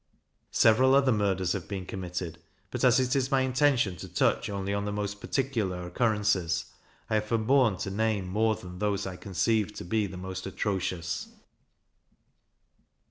Several other murders have been committed; but as it is my intention to touch only on the most particular occurrences, I have forborne to name more than those I conceived to be the most atrocious.